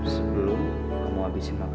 sebelum kamu habisin kamu